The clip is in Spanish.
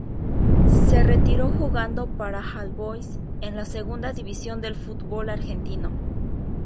Se retiró jugando para All Boys, en la segunda división del fútbol argentino.